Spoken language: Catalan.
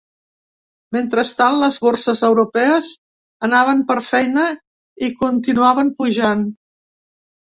Mentrestant, les borses europees anaven per feina i continuaven pujant.